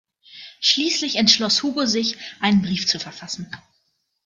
Schließlich entschloss Hugo sich, einen Brief zu verfassen.